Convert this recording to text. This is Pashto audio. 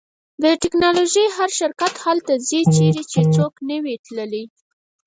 د ټیکنالوژۍ هر شرکت هلته ځي چیرې چې څوک نه وي تللی